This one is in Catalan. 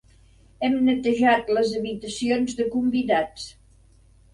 Hem netejat les habitacions de convidats.